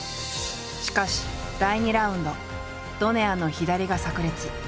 しかし第２ラウンドドネアの左が炸裂。